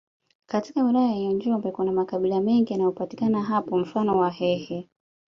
Katika wilaya ya njombe kuna makabila mengi yanayopatika hapo mfano wahehe